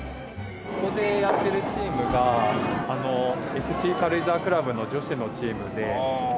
ここでやってるチームがＳＣ軽井沢クラブの女子のチームで日本で準優勝した。